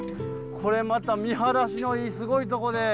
これまた見晴らしのいいすごいとこで。